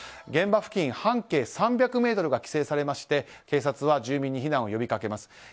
現場付近半径３００ｍが規制されまして警察は住民に避難を呼びかけます。